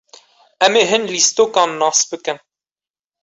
Em ê hin lîstokan nas bikin.